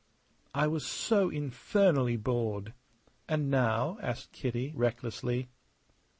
"I was so infernally bored!" "And now?" asked Kitty, recklessly.